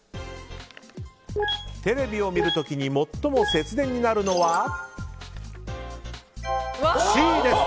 テレビを見る時に最も節電になるのはＣです。